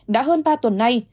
đã hơn ba tuần nay